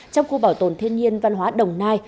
trong khu bảo tồn thiên nhiên văn hóa đồng nai